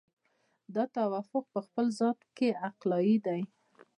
دا توافق په خپل ذات کې عقلایي دی.